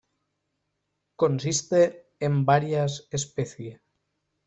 Consiste en varias especie.